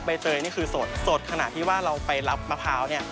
เจยนี่คือสดขนาดที่ว่าเราไปรับมะพร้าวเนี่ย